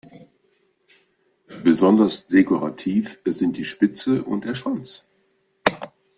Besonders dekorativ sind die Spitze und der Schwanz.